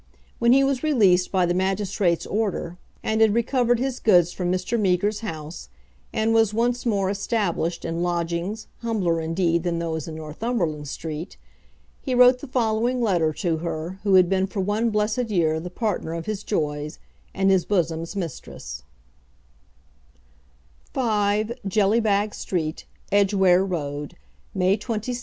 When he was released by the magistrate's order, and had recovered his goods from Mr. Meager's house, and was once more established in lodgings, humbler, indeed, than those in Northumberland Street, he wrote the following letter to her who had been for one blessed year the partner of his joys, and his bosom's mistress: 3, Jellybag Street, Edgware Road, May 26, 18